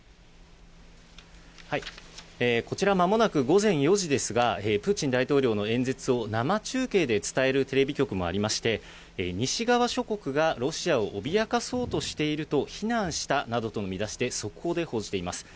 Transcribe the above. こちら、まもなく午前４時ですが、プーチン大統領の演説を生中継で伝えるテレビ局もありまして、西側諸国がロシアを脅かそうとしていると非難したなどとの見出しで、速報で報じています。